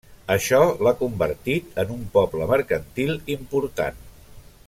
Això l'ha convertit en un poble mercantil important.